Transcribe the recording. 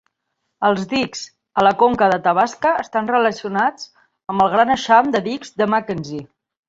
Els dics a la conca d'Athabasca estan relacionats amb el gran eixam de dics de Mackenzie.